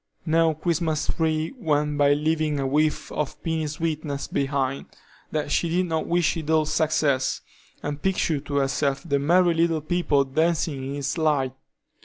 No Christmas tree went by leaving a whiff of piny sweetness behind, that she did not wish it all success, and picture to herself the merry little people dancing in its light.